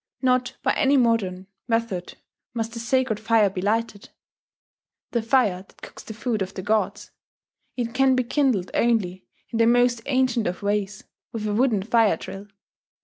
Not by any modern method must the sacred fire be lighted, the fire that cooks the food of the gods: it can be kindled only in the most ancient of ways, with a wooden fire drill.